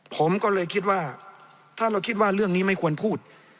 ผมก็เลยคิดว่าถ้าเราคิดว่าเรื่องนี้ไม่ควรพูด